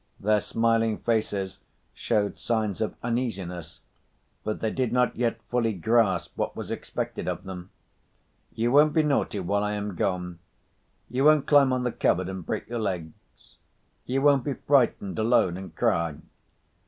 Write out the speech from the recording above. Their smiling faces showed signs of uneasiness, but they did not yet fully grasp what was expected of them. "You won't be naughty while I am gone? You won't climb on the cupboard and break your legs? You won't be frightened alone and cry?"